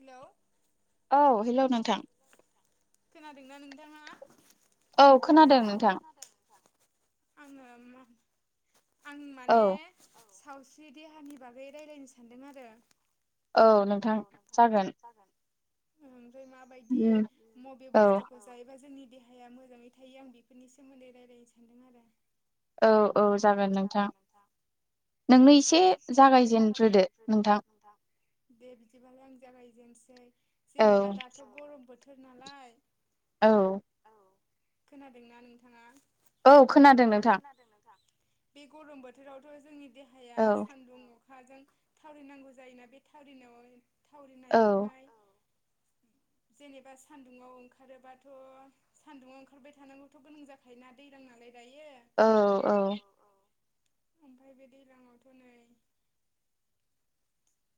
Hello औ hello नोंथां। खोनादोंना नोंथाङा? औ खोनादों नोंथां। आङो म आं माने सावस्रि देहानि बागै रायज्लायनो सानदों आरो। औ नोंथां जागोन। ओमफ्राय माबायदि मबे बुस्थुखौ जायोबा जोंनि देहाया मोजाङै थायो आं बेफोरनि सोमोन्दै रायज्लायनो सानदों आरो। औ औ जागोन नोंथां। नोंथाङा एसे जागायजेनग्रोदो नोंथां दे बिदिबालाय आं जागाय गायनोसै जेनेबा दाथ' गरम बोथोर नालाय औ खोनादोंना नोंथाङा? औ खोनादों नोंथां‌। ‌ बे गरम बोथोरावथ' जोंनि देहाया सान्दुं अखाजों थावरि नांगौ जायोना बे थाविनाय थावरिनायावहाय [inaudible] जेनेबा सान्दुङाव ओंखारोबाथ' सान्दुङाव ओंखारबाय थानांगौथ' गोनां जाखायोोना दैज्लां होमबालाय दायो औ औ ओमफफ्राय बे दैज्लाङावथ' नै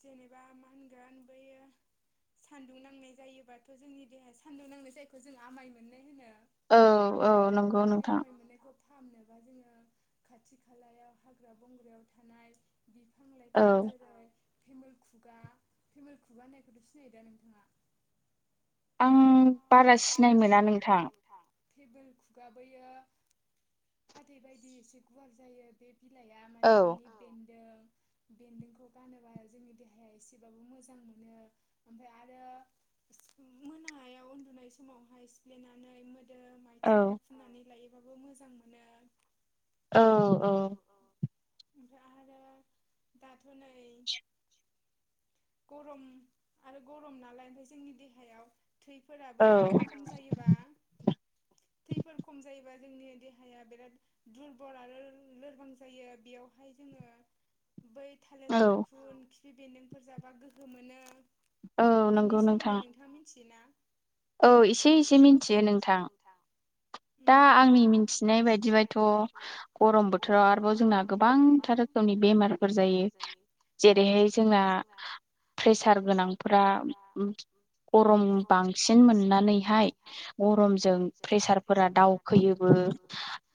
जेनेबा मा होनगोन बेयो सान्दुं नांनाय जायोबाथ जोंनि देहाया सान्दुं नांनाय जायखौ जों आमाय मोननाय होनो। औ औ औ नंगौ नोंथां। फाहामनोबा जोङो खाथि खालायाव हाग्रा बंग्रायाव थानाय बिफां लाइफां जेरै फेमोल खुगा फेमोल खुगा होननायखौथ' सिनायो दा नोंथाङा? आं बारा सिनाय मोना नोंथां। [unintelligible] खुगा बैयो फाथैबायदि एसे गुवार जायो। बिलाइआ माने बेनि बेन्दों बेन्दोंखौ गानोबा जोंनि देहाया एसेबाबो मोजां मोनो ओमफाय आरो मोनायाव उन्दुनाय समावहाय सिफ्लेनानै मोदोम आाइथिङाव फुननानै लायोबाबो मोजां मोनो। औ औ ओमफाय आरो दाथ नै गरम आरो गरम नालाय ओमफाय जोंनि देहायाव थैफोराबो खम जायोबा थैफोर खम जायोबा। जोंनि देहाया बिराद दुरबल आरो लोरबां जायो बेयावहाय जोङो बै थालिर मैखुन खिफि बेन्दोंफोर जाबा गोहो मोनो। बिनि सोमोन्दै नोंथाङा मिथियोना? औ एसे इसे मिथियो नोंथां। दा आंनि मिथिनाय बायदिबाथ गरम बोथोराव आरोबाव जोंना गोबांथार रोखोयनि बेमारफोर जायो जेरै बेहाय जोंना प्रेसार गोनां फोरा गरम बांसिन बांसिन मोननानैहाय गरमजों प्रेसारफोरा दावखोयोबो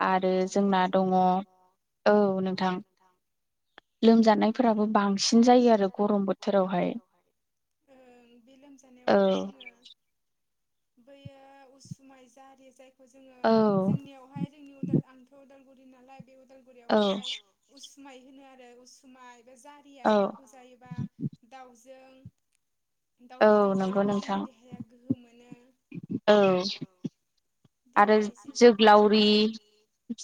आरो जोंना दङ औ नोंथां लोमजानायफोराबो बांसिन। बांसिन जायो आरो गरम बोथोरावहाय ओम बे लोमजानायावहाय जोङो बैयो उसुमाय जारि जाय जोङो जोंनियावहाय जोंनि उदाल आंथ उदालगुरि नालाय बे उदालगुरियावहाय उसुमाय होनो आरो उसुमाय एबा जारिया बेखौ जायोबा दाउजों। दाउ बिदै जायोबा जोंनि देहाया गोहो मोनो औ आरो जोग्लावरि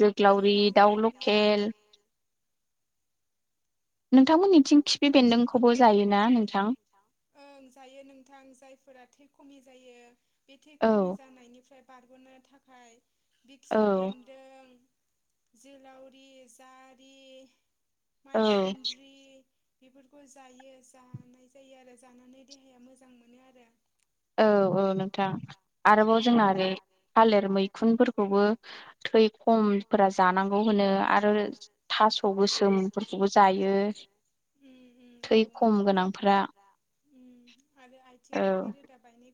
जोग्लाावरि दाउ लकेल नोंथां मोननिथिं खिफि बेदोंखौबो जायो ना नोंथां ओं जायो नोंथां जायफोरा थै खमि जायो बे थै खमि जानायनिफ्राय बारगनो थाखाय बि खिफि बेन्दों जोग्लावरि जारि मायसुन्द्रि बेफोरखौ जायो जानाय जायो आरो जानानै देहाया मोजां मोनो आरो औ औ नोंथां आरोबाव जोंना ओरै थालिर मैखुनफोरखौबो थै खमफोरा जानांगौ आरो थास गोसोमफोरखौबो जायो थै ख खम गोनांफ्रा औ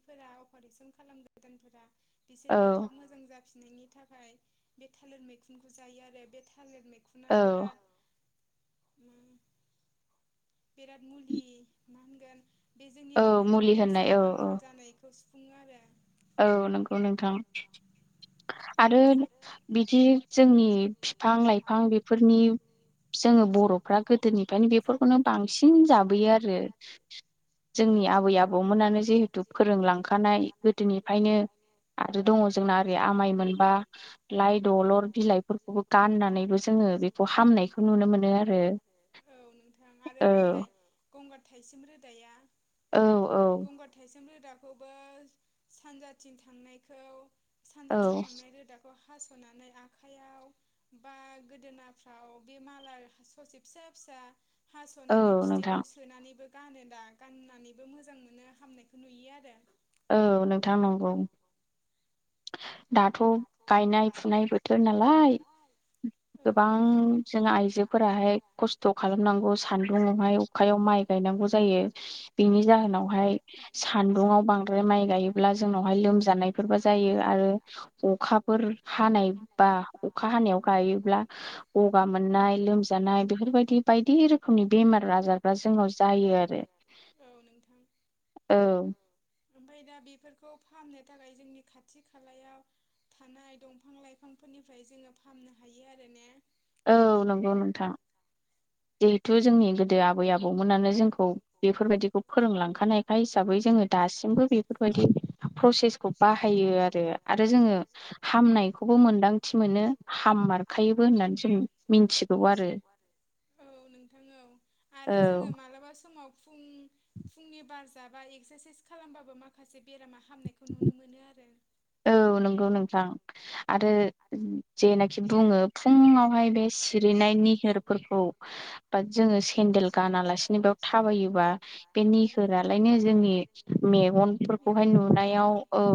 फोरा अपारेसन खालाम गोदानफोरा बिसोरबो थाब मोजां जा नायनि थाखाय बे थालिर बे मैखुनखौ जायो आरो बे था थालिर मैखुना बिरादर औ उम बिराद मा होनगोन बे जोंनि देहानि माखासे आंखाल जानायखौ सुफुङो आरो औ नंगौ नोंथां। आरो बिदि जोंनि बिफां लाइफां बेफोरनि जोङो बरफ्रा गोदोनिफ्रायनो बेफोरखौनो बांसिन जाबोयो आरो जोंनि आबै आबौमोनानो जिहेतु फोरोंलांखानाय गोदोनि बेखायनो आरो दङ जोंना ओरै आमाय मोनबा लाइ दलर बिलाइफोरखौबो गाननानैबो जोङो बेखौ हामनायखौ नुनो मोनो आरो औ नोंथां आरो बैलाय गंगार थाइसिम रोदाया औ औ सानजाथिं सानजाथिं थांनाय रोदाखौ हास'नानै आखाइयाव बा गोदोनाफ्राव बे माला ससे फिसा फिसा फिसा हास'नानै फिथोबाव सोनानैबो गानो दा गाननानैबो मोजां मोनो हामनायखौ नुयो आरो। औ नोंथां नंगौ। दा थ' गायनाय फुनाय बोथोर नालाय गोबां जों आइजोफोराहाय खस्थ' खालामनांगौ सान्दुंआवहाय अखायाव माय गायनांगौ जायो बिनि जाहोनावहाय सान्दुंआव बांद्राय माइ गायोब्ला जोंनावहाय लोमजानायफोरबो जायो आरो अखा फोर हानाय बा अखा हानायाव गायोब्ला गगा मोननाय लोमजानाय बेफोर बेफोरबायदि बायदि रोखोमनि बेमार आजारफ्रा जोंनाव जायो आरो। औ। ओमफ्राय दा बेफोरखौ फाहामनो थाखाय जोंनि खाथि खालायाव थानाय दंफां लाइफांफोरनिफ्राय जोङो फाहामनो हायो आरो ने? औ नंगौ नोंथां। जिहेथु जोंनि गोदो आबै आबौमोनानो जोंखौ बेफोरबायदिखौ फोरोंलांखानायखाय हिसाबै जों जोङो दासिमबो बेफोरबायदि प्रसेसखौ बाहायो आरो आरो जोङो हामनाय खौबो मोन्दांथि मोनो हाम मारखायोबो होननानै जों मिथिगौ आरो। आरो जोङो मालाबा समाव फुंनि फुंनि बार जाबा एक्सारसाइस खालामबाबो माखासे बेरामा हामनायखौ नुनो मोनो आरो। औ नंगौ नोंथां आरो जेनाखि बुङो फुङावहाय बे सिरिनाय निहोरफोरखौ बा जोङो सेन सेनदेल गानालासिनो बेयाव थाबायोबा बे निगोरालायनो जोंनि मेगनफोरखौ बेहाय नुनायाव औ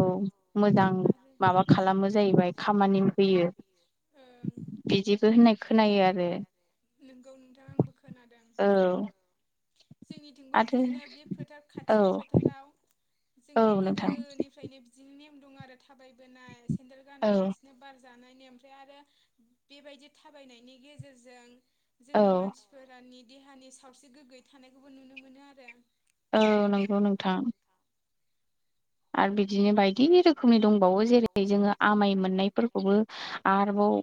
मोजां माबा खालामो जाहैबाय खामानि होयो। बिदिबो होननाय खोनायो आरो। नोंगौ नोंथां आंबो खोनादों। जोंनिथिंबो बिदिनो बे फोथार खाथिनि फोथाराव जोंनि गोदोनिफ्रायनो बिदिनो नेम दं आरो थाबायबोनाय सेन्देल गानालासिनो बार जानाय नेम ओमफ्राय आरो बेबायदि थाबायनायनि गेजेरजों जोंनि मानसिफोरनि देहानि सावस्रि गोग्गोयै थानायखौबो नुनो मोनो आरो। औ नंगौ नोंथां। आरो बिदिनो बायदि रोखोमनि दंबावो जेरै जोङो आमाय मोननायफोरखौबो आरोबाव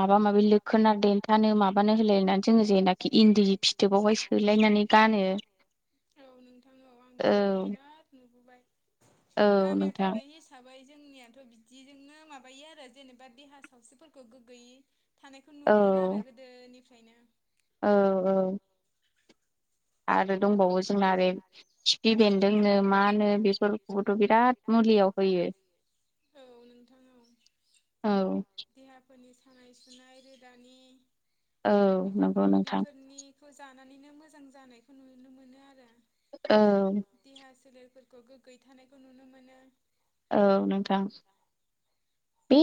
माबा माबि लोखोना देन्थानो माबा माबानो होलायनानै जोङो जेनाखि इन्दि फिथोबावहाय सोलायनानै गानो ‌। औ नोंथां औ आं बेखौथ' बिराद नुबोबाय। गामियाव थानाय हिसाबै जोंनियाथ' बि बिदिजोंनो माबायो आरो जेनेबा देहा सावस्रिफोरखौ गोग्गोयै थानायखौ नुबोदों आरो गोदोनिफ्रायनो। औ औ। आरो दंबावो जोंना ओरै खिफि बेन्दोंनो मानो बेफोरखौबोथ' बिराद मुलियाव होयो। औ नोंथां औ देहाफोरनि सानाय सुनाय रोदानि औ नंगौ नोंथां। खौ जानानैनो मोजां जानायखौ नुनो मोनो आरो। औ। फोरखौ गोग्गोयै थानायखौ नुनो मोनो। औव नोंथां बे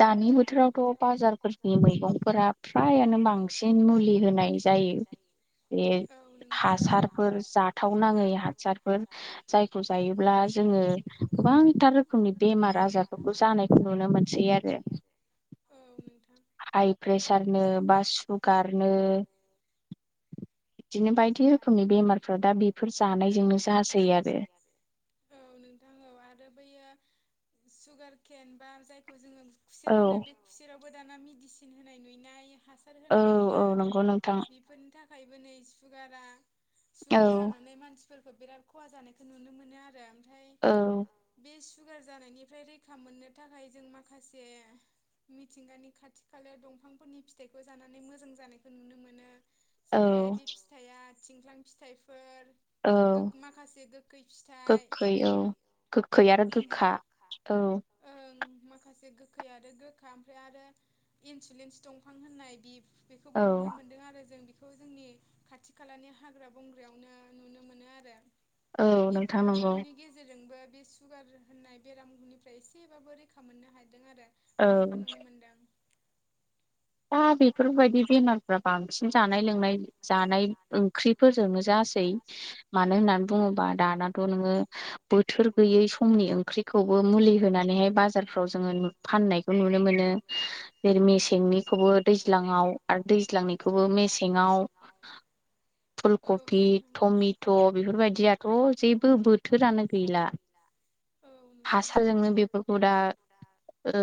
दानि हुद बोथोरावथ' बाजारफोरनि मैगंफोरा फ्रायानो बांसिन मुलि होनाय जायो। बे हासारफोर जाथाव नाङै हासारफोर जायखौ जायोब्ला जो जोङो गोबांथार रोखोमनि बेमार आजारफोरखौ जानायखौ नुनो मोनसै आरो। हाइ प्रेसारनो बा सुगारनो। बिदिनो बायदि रोखोमनि बेमारफ्रा दा बेफोर जानायजोंनो जासै आरो। औव नोंथां। आरो बैयो सुगार केेन बा जायखौ जोङो खुसेर होनो बे जेरावबो दाना मेडिसिन होनाय नुयोना इयो हासार होनाय नुयो बेफोरनि थाखाय थाखायबो नै सुगारा सुगार जानानै मानसि फोरखौ बिराद खहा जानायखौ नुनो मोनो आरो ओमफ्राय औ बे सुगार जानायनिफ्राय रैखा मोननो थाखाय जों माखासे मिथिंगानि खाथि खाला दंफांफोरनि फिथाइखौ जानानै मोजां जानायखौ नुनो मोनो। जेरैहाय बे फिथाइया थिंख्लां फिथाइफोर औल गोखै औल गोखै आरो गोखा। ओम माखासे गोखै आरो गोखा ओमफ्राय आरो इन्सुुलिन्स दंफां होननाय बे बेखौबो नुनो मोन्दों आरो जों बेखौ बेखौ जोंनि खाथि खालानि हाग्रा बंग्रायावनो नुनो मोनो आरो। बेफोरनि गेजेरजोंबो बे सुगार होननाय बेरामनिफ्राय एसेबाबो रैखा मोननो हादों आरो। हानायखौ नुनो औव मोनदों। दा बेफोरबायदि बेमारफ्रा बांसिन जानाय लोंनाय जानाय ओंख्रिफोरजोंनो जासै। मानो होननानै बुङोबा दानाथ' नोङो बोथोर गैयै समनि ओंख्रिखौबो मुलि होनानैहाय बाजारफ्राव जोङो फानायखौ नुनो मोनो जेरै मेसेंनिखौबो दैल्जाङाव आरो दैल्जांनिखौबो मेसेङाव फुल कबि टमेट' बेफोरबायदियाथ' जेबो बोथोरानो गैला। हासारजोंनो बेफोरखौ दा ओ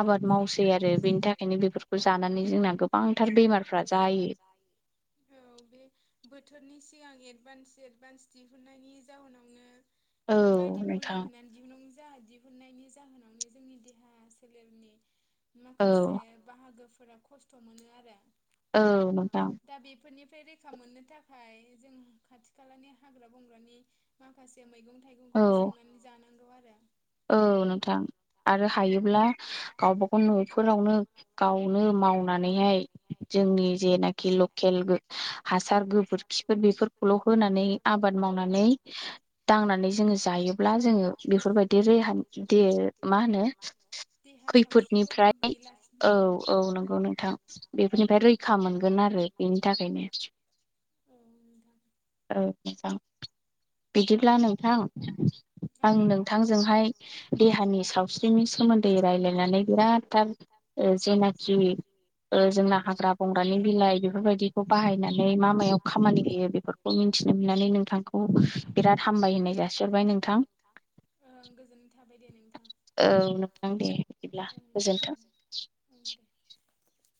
आबाद मावसै आरो बेनि थाखायनो बेफोरखौ जानानै जोंना जोंना गोबांथार बेमारफोरा जायो औव बे बोथोरनि सिगां एडभान्स एडभान्स दिहुननायनि जाहोनावनो बेफोरबायदि मुलि होनानै दिहुनाय जा दिहुननायनि जाहोनावनो जोंनि देहा सोलेरनि माखासे बाहागोफोरा खस्थ' मोनो आरो। औव नोंथां। रैखा मोननो थाखाय जों खाथि खालानि हाग्रा बंग्रानि माखासे मैगं थाइगंखौबो संनानै जानांगौ आरो। औव नोंथां आरो हायोब्ला गावबागाव न' फोरावनो गावनो मावनानैहाय जोंनि जेनाखि ल खेल हासार गोबोरखिफोर बेफोरखौल' होनानै आबाद मावनानै दांनानै जोङो जायोब्ला जोङो बेफोरबायदि देहानि जुदि ओ मा होनो खैफोदनिफ्राय औव औव। नंगौ नोंथां बेफोरनि रैखा मोनगोन आरो बेनि थाखाय औव [unintelligible] ज बिदिब्ला नोंथां आंदों बिथांजोंहाय देहानि सावस्रिनि सोमोन्दै रायलायनानै बिरादथार ज जि ओ जोंना हाग्रा-बंग्रानि बिलाइ बेफोरबायदिखौ बाहायनानै मा मायाव खामानि होयो बेफोरखौ मिथिनो मोननानै नोंथांखौ बिराद हामबाय होननाय जासिहरबाय नोंथां। ओं गोजोननाय थाबाय दे नोंथां। औ नोंथां दे बिदिब्ला गोजोनथों। [inaudible]